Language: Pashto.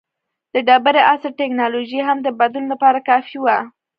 د ډبرې عصر ټکنالوژي هم د بدلون لپاره کافي وه.